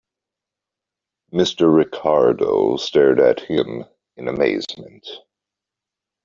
Mr. Ricardo stared at him in amazement.